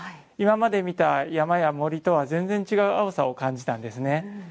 今まで見た山や森とは全然違う青さを感じたんですね。